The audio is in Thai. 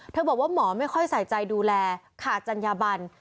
บอกว่าหมอไม่ค่อยใส่ใจดูแลขาดจัญญาบัน